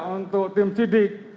untuk tim sidik